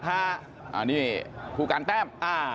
อันนี้ผู้การแต้ม